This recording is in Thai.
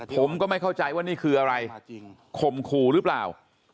ผมก็ไม่เข้าใจว่านี่คืออะไรข่มขู่หรือเปล่า